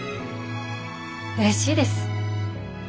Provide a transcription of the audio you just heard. うれしいです。